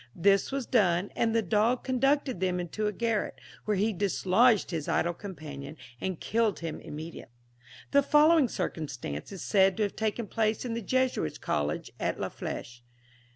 This was done, and the dog conducted them into a garret, where he dislodged his idle companion, and killed him immediately. The following circumstance is said to have taken place in the Jesuits' College at La Flèche.